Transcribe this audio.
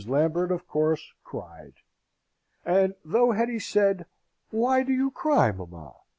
Lambert, of course, cried: and though Hetty said, "Why do you cry, mamma?